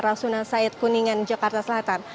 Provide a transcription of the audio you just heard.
rasuna said kuningan jakarta selatan